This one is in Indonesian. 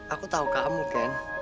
aku tahu kamu ken